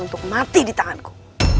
untuk mati di tanganku